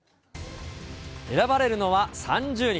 選ばれるのは３０人。